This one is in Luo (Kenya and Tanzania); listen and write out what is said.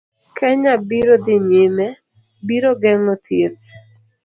Kenya biro dhi nyime, biro geng'o thieth